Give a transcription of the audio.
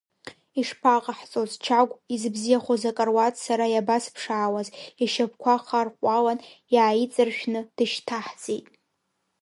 Ишԥаҟаҳҵоз, Чагә изыбзиахоз акаруаҭ сара иабасԥшаауаз, ишьапқәа харҟәалан иааиҵаршәны дышьҭаҳҵеит.